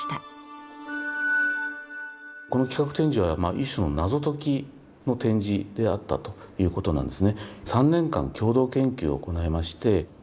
この企画展示は一種の謎解きの展示であったということなんですね。